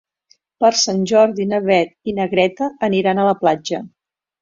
Per Sant Jordi na Beth i na Greta aniran a la platja.